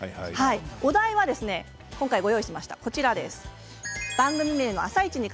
お題は今回ご用意しました。